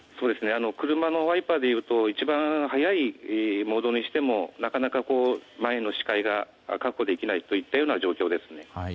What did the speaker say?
車のワイパーでいうと一番速いモードにしてもなかなか前の視界が確保できない状況ですね。